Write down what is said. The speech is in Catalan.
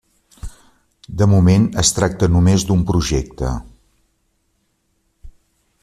De moment, es tracta només d'un projecte.